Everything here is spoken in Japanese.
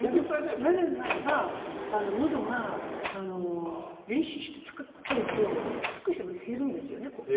なぜならばのどは練習して使っちゃうと減るんですよね。